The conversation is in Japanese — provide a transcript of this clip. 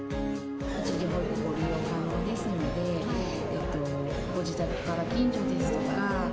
一時保育ご利用可能ですのでご自宅から近所ですとか。